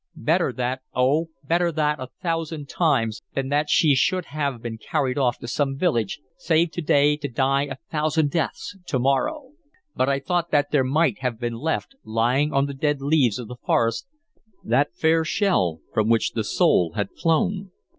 Better that, oh, better that a thousand times, than that she should have been carried off to some village, saved to day to die a thousand deaths to morrow. But I thought that there might have been left, lying on the dead leaves of the forest, that fair shell from which the soul had flown.